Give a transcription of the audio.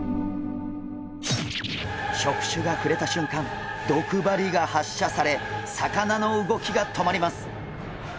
触手が触れたしゅんかん毒針が発射され魚の動きが止まります。